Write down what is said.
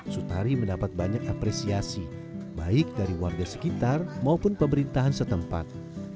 sutari mendapat banyak apresiasi baik dari warga sekitar maupun pemerintahan setempat